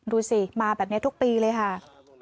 ดูสิมาแบบนี้ทุกปีเลยค่ะ